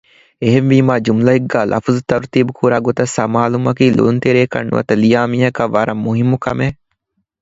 އެހެންވީމާ ޖުމުލައެއްގައި ލަފުޒު ތަރުތީބު ކުރާ ގޮތަށް ސަމާލުވުމަކީ ލިޔުންތެރިއަކަށް ނުވަތަ ލިޔާ މީހަކަށް ވަރަށް މުހިއްމު ކަމެއް